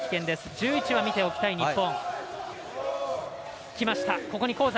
１１は見ておきたい日本。